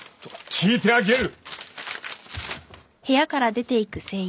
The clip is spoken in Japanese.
聞いてあきれる。